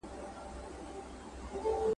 که تخنيک پرمختګ وکړي نو ژوند به اسانه سي.